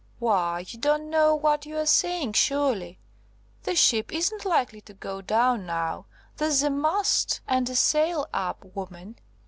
"Why, you don't know what you are saying, surely. The ship isn't likely to go down now! There's a mast and a sail up, woman!"